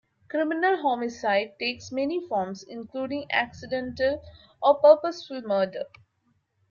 Criminal homicide takes many forms including accidental or purposeful murder.